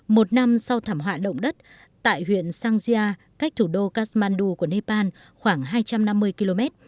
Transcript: một năm sau thảm họa động đất tại huyện sangzia cách thủ đô kasmandu của nepal khoảng hai trăm năm mươi km